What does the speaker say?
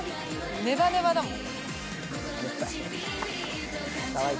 ネバネバだもん。